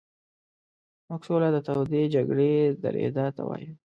موږ سوله د تودې جګړې درېدا ته وایو.